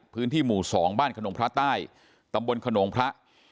พื้นที่หมู่๒บ้านขนมพระใต้ตำบลขนงพระ